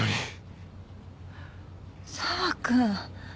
沢君。